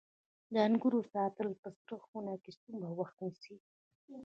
د انګورو ساتل په سړه خونه کې څومره وخت نیسي؟